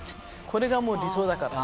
これがもう理想だから。